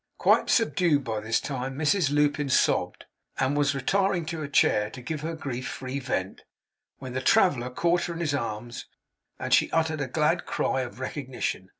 Quite subdued by this time, Mrs Lupin sobbed, and was retiring to a chair to give her grief free vent, when the traveller caught her in his arms, and she uttered a glad cry of recognition.